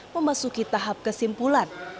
memasuki tahap kesimpulan